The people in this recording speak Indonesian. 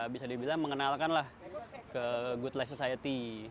bisa dibilang mengenalkanlah ke good life society